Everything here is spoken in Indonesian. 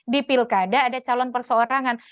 di pilkada ada calon perseorangan